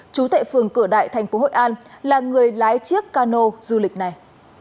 chú tại phường cửa đại thành phố hội an là người lái chiếc cano du lịch này